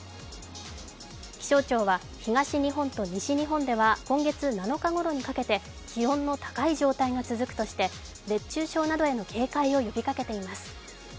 気象庁は東日本と西日本では今月７日ごろにかけて気温の高い状態が続くとして、熱中症などへの警戒を呼びかけています。